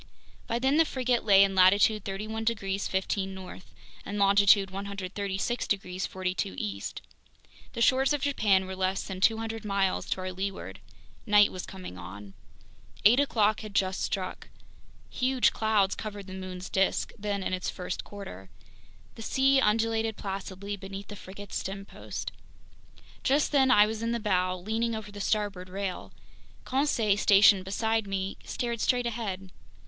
By then the frigate lay in latitude 31 degrees 15' north and longitude 136 degrees 42' east. The shores of Japan were less than 200 miles to our leeward. Night was coming on. Eight o'clock had just struck. Huge clouds covered the moon's disk, then in its first quarter. The sea undulated placidly beneath the frigate's stempost. Just then I was in the bow, leaning over the starboard rail. Conseil, stationed beside me, stared straight ahead.